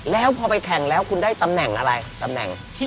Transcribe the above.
แล้วพอไปแข่งแล้วคุณได้ตำแหน่งอะไรตำแหน่ง